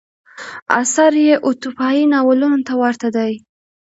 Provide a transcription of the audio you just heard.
اثر یې اتوپیایي ناولونو ته ورته دی.